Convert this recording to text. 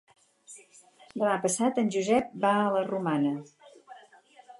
Demà passat en Josep va a la Romana.